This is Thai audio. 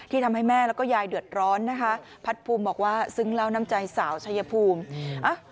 ทำให้แม่แล้วก็ยายเดือดร้อนนะคะพัดภูมิบอกว่าซึ้งเล่าน้ำใจสาวชายภูมิ